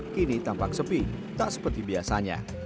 kini tampak sepi tak seperti biasanya